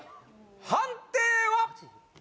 判定は？